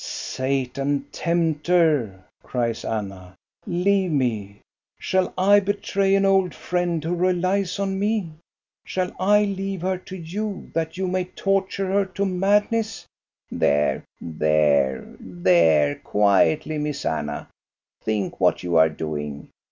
"Satan, tempter," cries Anna, "leave me! Shall I betray an old friend who relies on me.? Shall I leave her to you, that you may torture her to madness ?"" There, there, there ; quietly, Miss Anna ! Think what you are doing